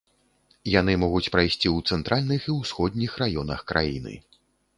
Яны могуць прайсці ў цэнтральных і ўсходніх раёнах краіны.